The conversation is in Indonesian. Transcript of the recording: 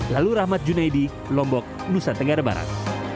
lalu rahmat junaidi lombok nusa tenggara barat